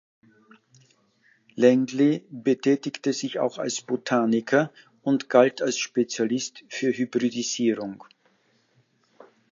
Langley betätigte sich auch als Botaniker und galt als Spezialist für Hybridisierung.